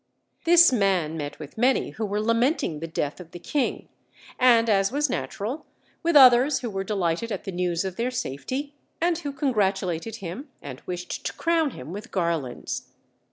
This man met with many who were lamenting the death of the king, and, as was natural, with others who were delighted at the news of their safety, and who congratulated him and wished to crown him with garlands.